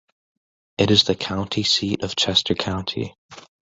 It is the county seat of Chester County.